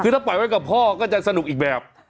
คือถ้าปล่อยไว้กับพ่อก็จะสนุกอีกแบบ